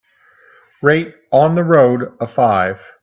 rate On the Road a five